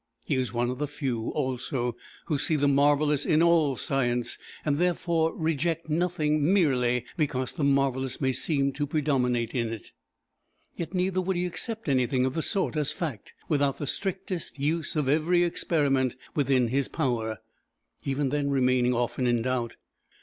He was one of the few, also, who see the marvellous in all science, and, therefore, reject nothing merely because the marvellous may seem to predominate in it. Yet neither would he accept anything of the sort as fact, without the strictest use of every experiment within his power, even then remaining often in doubt.